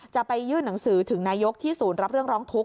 จะไปยื่นหนังสือถึงนายกที่ศูนย์รับเรื่องร้องทุกข